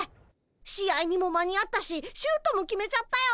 試合にも間に合ったしシュートも決めちゃったよ。